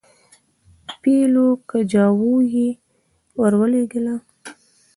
پیلو کجاوه یې ورولېږله.